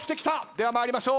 では参りましょう。